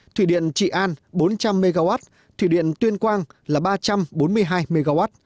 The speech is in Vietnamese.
thủy điện trị an bốn trăm linh mw thủy điện tuyên quang là ba trăm bốn mươi hai mw